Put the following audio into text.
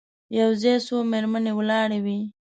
یو ځای څو مېرمنې ولاړې وې.